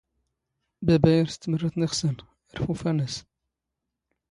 ⴱⴰⴱⴰ ⴰⵔ ⵜ ⵜⵜⵎⵔⵔⴰⵜⵏ ⵉⵅⵙⴰⵏ ⵔⴼⵓⴼⴰⵏ ⴰⵙ.